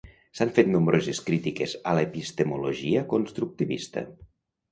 S'han fet nombroses crítiques a l'epistemologia constructivista.